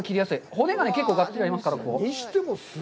骨が結構がっつりありますから。